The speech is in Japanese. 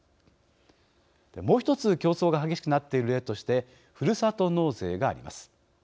もう１つ競争が激しくなっている例としてふるさと納税があります。